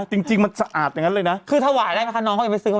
จริงจริงมันสะอาดอย่างนั้นเลยนะคือถวายได้ไหมคะน้องเขายังไม่ซื้อ